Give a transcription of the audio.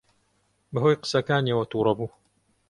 بەهۆی قسەکانیەوە تووڕە بوو.